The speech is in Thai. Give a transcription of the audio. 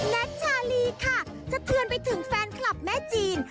ชาลีค่ะจะเตือนไปถึงแฟนคลับแม่จีน